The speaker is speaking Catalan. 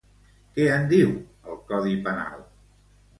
Què en diu, el Codi Penal?